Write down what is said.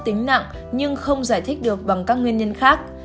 tiền sử tiếp xúc tính nặng nhưng không giải thích được bằng các nguyên nhân khác